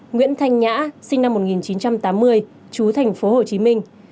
nguyễn thanh nhã sinh năm một nghìn chín trăm tám mươi chú thành phố hồ chí minh